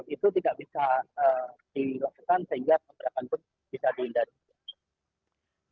itu tidak bisa dilakukan sehingga pemberakan pun bisa dihindari